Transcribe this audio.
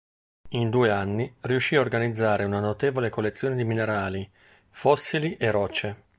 In due anni riuscì a organizzare una notevole collezione di minerali, fossili e rocce.